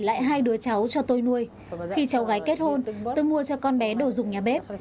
khi tôi và bà ấy kết hôn tôi mua cho con bé đồ dùng nhà bếp